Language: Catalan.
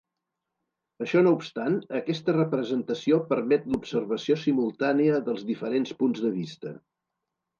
Això no obstant, aquesta representació permet l'observació simultània dels diferents punts de vista.